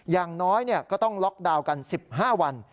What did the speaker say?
อย่างน้อยก็ต้องล็อกดาวน์กัน๑๕วัน